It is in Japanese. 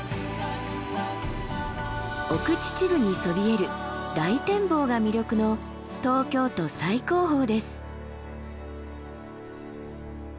奥秩父にそびえる大展望が魅力の東京都最高峰です。